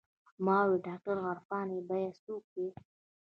ما وويل ډاکتر عرفان يې بيا څوک دى.